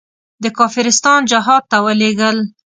د کافرستان جهاد ته ولېږل.